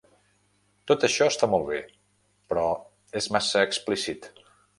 Tot això està molt bé, però és massa explícit.